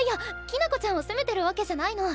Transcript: きな子ちゃんを責めてるわけじゃないの。